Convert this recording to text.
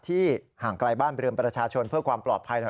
ที่ห่างไกลบ้านไปเริ่มประชาชนเพื่อความปลอดภัย